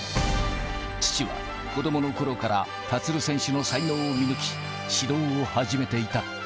父は子どものころから立選手の才能を見抜き、指導を始めていた。